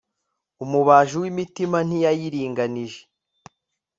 umubaji w'imitima ntiyayiringanije